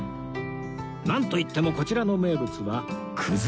なんといってもこちらの名物はくず餅